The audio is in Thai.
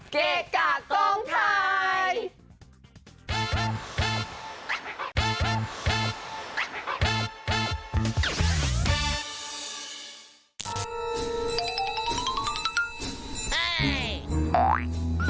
เก็บกับต้องไทย